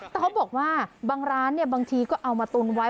แต่เขาบอกว่าบางร้านบางทีก็เอามาตุนไว้